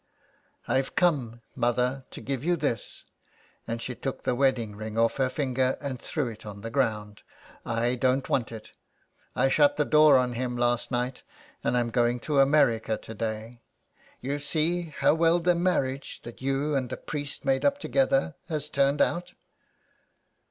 '* I've come, mother, to give you this," and she took the wedding ring off her finger and threw it on the ground. " I don't want it ; I shut the door on him last night, and I'm going to America to day. You see how well the marriage that you and the priest made up together has turned out."